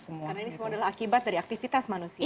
karena ini semua adalah akibat dari aktivitas manusia